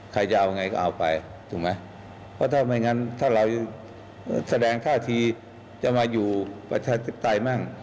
ใครจะเอาไงก็เอาไปถูกไหมเพราะถ้าไม่งั้นถ้าเราแสดงท่าทีจะมาอยู่ประชาธิปไตยมั่ง